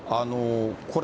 これ、